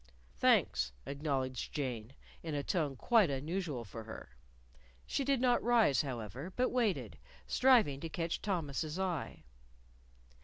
"Thanks," acknowledged Jane, in a tone quite unusual for her. She did not rise, however, but waited, striving to catch Thomas's eye.